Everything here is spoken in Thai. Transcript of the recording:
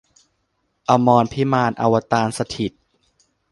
อมรพิมาน อวตารสถิตย์